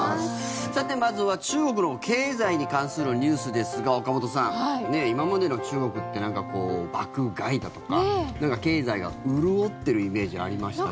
まずは中国の経済に関するニュースですが岡本さん、今までの中国って爆買いだとか経済が潤ってるイメージがありましたが。